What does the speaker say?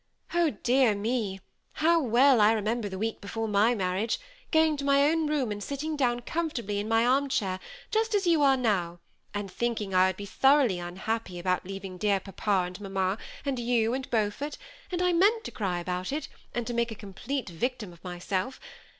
Oh, dear me ! how well I re member the week before my marriage, going to my own room and sitting down comfortably in my arm chair, just as you are now, and thinking I would be thoroughly unhappy about leaving dear papa and mamma, and you THE SEMI ATTACHED COUPLE. 23 and Beaufort, and I meant to cry about it, and to make a complete victim of myself.